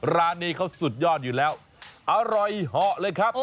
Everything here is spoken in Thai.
ร้านนี้เขาสุดยอดอยู่แล้วอร่อยเหาะเลยครับ